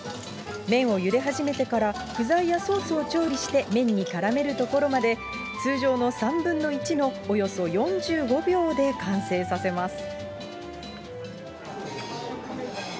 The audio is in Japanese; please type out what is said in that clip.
麺をゆで始めてから具材やソースを調理して、麺にからめるところまで、通常の３分の１のおよそ４５秒で完成させます。